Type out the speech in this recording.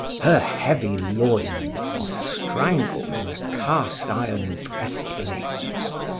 Her heavy loins are strangled in a cast iron breast plate.